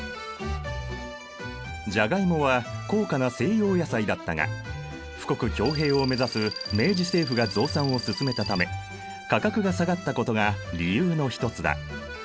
じゃがいもは高価な西洋野菜だったが富国強兵を目指す明治政府が増産を進めたため価格が下がったことが理由の一つだ。